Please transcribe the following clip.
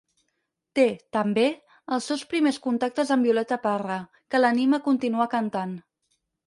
Té, també, els seus primers contactes amb Violeta Parra, que l'anima a continuar cantant.